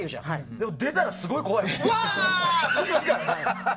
でも、出たらすごい怖いよね。